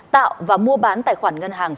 tạo và mua bán tài khoản ngân hàng